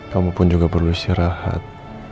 kamu pun juga perlu istirahat